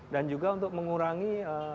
dan juga untuk mengurangi